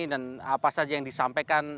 apa saja yang disampaikan